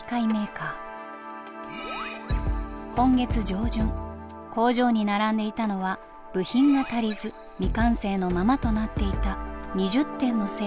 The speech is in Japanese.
今月上旬工場に並んでいたのは部品が足りず未完成のままとなっていた２０点の製品でした。